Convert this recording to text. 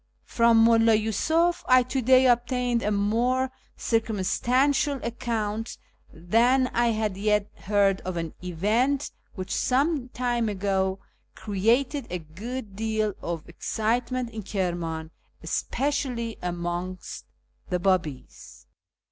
From Mulla Yiisuf I to day obtained a more circum stantial account than I had yet heard of an event which some time ago created a good deal of excitement in Kirman, especially amongst the Babis.